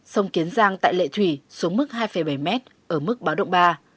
sông kiến giang tại lệ thủy xuống mức hai bảy m ở mức báo động ba